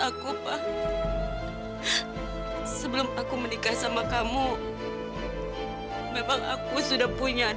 aku gak mau meninggalkan candy sendirian